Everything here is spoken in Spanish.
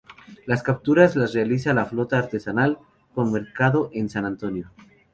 Las capturas las realiza la flota artesanal, con mercado en San Antonio.